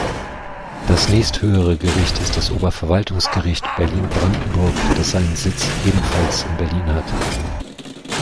Das nächsthöhere Gericht ist das Oberverwaltungsgericht Berlin-Brandenburg, das seinen Sitz ebenfalls in Berlin hat.